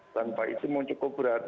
tanpa itu cukup berat